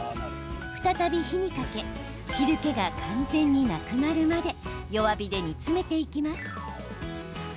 再び火にかけ汁けが完全になくなるまで弱火で煮詰めていきます。